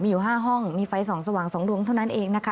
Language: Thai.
มีอยู่๕ห้องมีไฟส่องสว่าง๒ดวงเท่านั้นเองนะคะ